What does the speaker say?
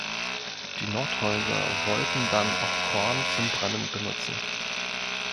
Die Nordhäuser wollten dann auch Korn zum Brennen benutzen.